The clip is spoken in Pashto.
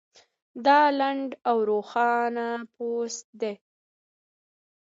دا لنډ او روښانه پوسټ دی